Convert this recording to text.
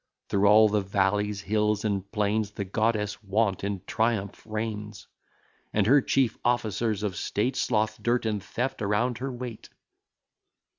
Through all the valleys, hills, and plains, The goddess Want, in triumph reigns; And her chief officers of state, Sloth, Dirt, and Theft, around her wait.